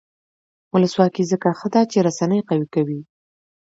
ولسواکي ځکه ښه ده چې رسنۍ قوي کوي.